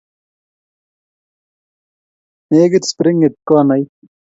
Nekit springit konait